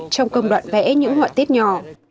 trong công đoạn vẽ những họa tiết nhỏ